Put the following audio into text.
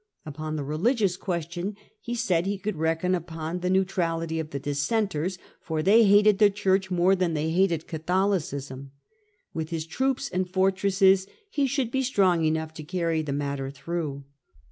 Upon the religious question, he said, he could reckon upon the neutrality of the Dissenters, for they hated the Church more than they hated Catholi cism ; with his troops and fortresses he should be strong enough to carry the matter through.